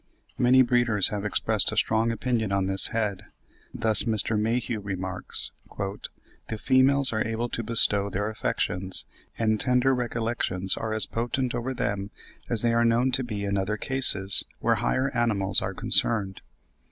Many breeders have expressed a strong opinion on this head. Thus, Mr. Mayhew remarks, "The females are able to bestow their affections; and tender recollections are as potent over them as they are known to be in other cases, where higher animals are concerned.